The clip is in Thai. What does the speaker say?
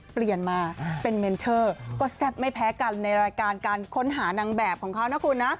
เปลี่ยนมาเป็นเมนเทอร์ก็แซ่บไม่แพ้กันในรายการการค้นหานางแบบของเขานะคุณนะ